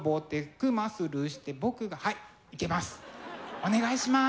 お願いします。